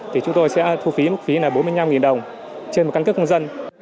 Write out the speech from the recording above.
thì chúng tôi sẽ thu phí mức phí là bốn mươi năm đồng trên một căn cước công dân